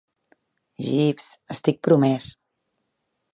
Jeeves, estic promès.